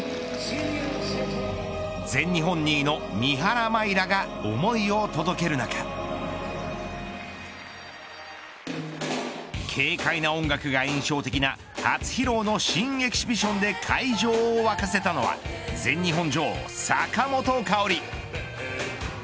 全日本２位の三原舞依らが思いを届ける中軽快な音楽が印象的な初披露の新エキシビションで会場を沸かせたのは全日本女王、坂本花織。